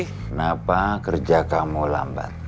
kenapa kerja kamu lambat